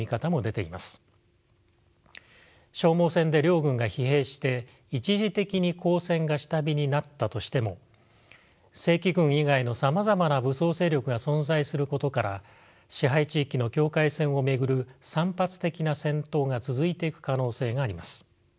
消耗戦で両軍が疲弊して一時的に交戦が下火になったとしても正規軍以外のさまざまな武装勢力が存在することから支配地域の境界線を巡る散発的な戦闘が続いていく可能性があります。